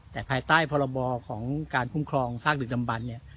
แต่ภายใต้พรบของการคุ้มครองซากดึกดำบันเนี่ย